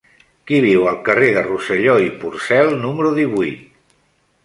Qui viu al carrer de Rosselló i Porcel número divuit?